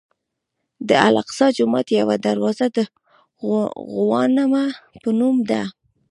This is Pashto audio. د الاقصی جومات یوه دروازه د غوانمه په نوم ده.